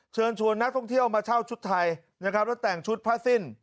เชิญชวนนักท่องเที่ยวมาเช่าชุดไทยนะครับแล้วแต่งชุดผ้าสิ้น